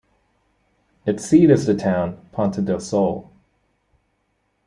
Its seat is the town Ponta do Sol.